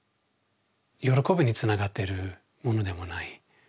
喜びにつながってるものでもない。